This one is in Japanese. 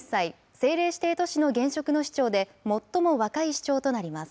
政令指定都市の現職の市長で最も若い市長となります。